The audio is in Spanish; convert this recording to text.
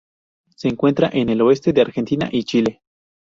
Se encuentra en el oeste de Argentina y Chile.